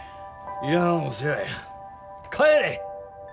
いらんお世話や帰れ！